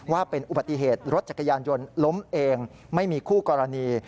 ว่าเป็นอุบัติเหตุรถจักรยานยนต์ล้มเองไม่มีคู่กรณี